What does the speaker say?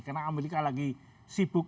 karena amerika lagi sibuk